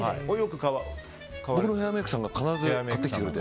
僕のヘアメイクさんが必ず買ってきてくれて。